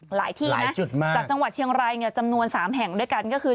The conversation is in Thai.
หลายที่นะจุดมาจากจังหวัดเชียงรายเนี่ยจำนวน๓แห่งด้วยกันก็คือ